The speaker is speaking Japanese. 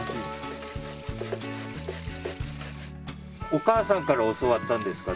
お母さんから教わったんですか？